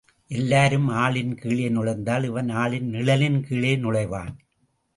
எல்லாருக்கும் ஆளின் கீழே நுழைந்தால், இவன் ஆளின் நிழலின் கீழே நுழைவான்.